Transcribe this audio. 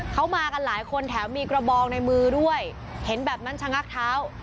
เขามากันหลายคนแถมมีกระบองในมือด้วยเห็นแบบนั้นชะงักเท้า